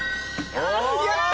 やった！